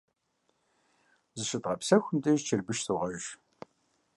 Зыщызгъэпсэхум деж чырбыш согъэж.